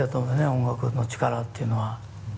音楽の力っていうのは。